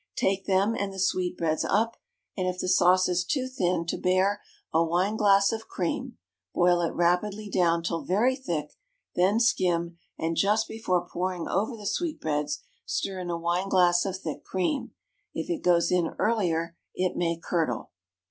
Take them and the sweetbreads up, and if the sauce is too thin to bear a wineglass of cream, boil it rapidly down till very thick; then skim, and just before pouring over the sweetbreads stir in a wineglass of thick cream. If it goes in earlier it may curdle.